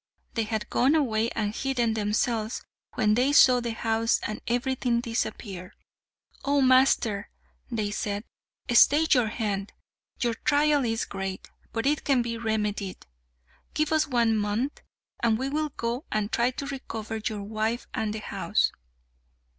They had gone away and hidden themselves, when they saw the house and everything disappear. "O master!" they said, "stay your hand. Your trial is great, but it can be remedied. Give us one month, and we will go and try to recover your wife and house."